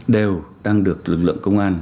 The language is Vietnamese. đều đang được lực lượng công an